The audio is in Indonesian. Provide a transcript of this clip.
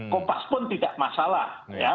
kopas pun tidak masalah